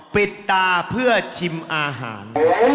ปิดตาเพื่อชิมอาหาร